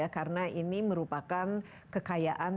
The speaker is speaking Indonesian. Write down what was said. karena ini merupakan kekayaan